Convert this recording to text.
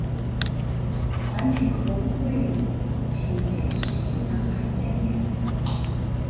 团体活动内容请见水晶男孩页面。